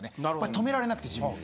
止められなくて自分を。